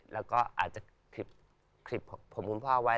แล้วก็อาจจะคลิปผมคุณพ่อไว้